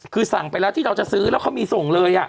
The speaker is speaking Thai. คือสั่งไปแล้วที่เราจะซื้อแล้วเขามีส่งเลย